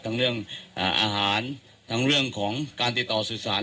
ทั้งเรื่องอาหารทั้งเรื่องของการติดต่อสื่อสาร